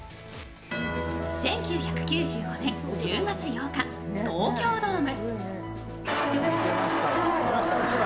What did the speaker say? １９９５年１０月８日東京ドーム。